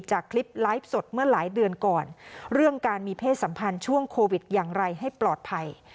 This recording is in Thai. จากคลิปไลฟ์สดเมื่อหลายเดือนก่อนเรื่องการมีเพศสัมพันธ์ช่วงโควิดอย่างไรให้ปลอดภัย